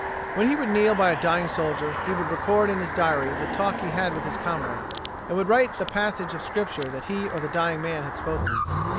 When he would kneel by a dying soldier he would record in his diary the talk he had with his comrade and would write the passages of Scripture that he or the dying man had spoken.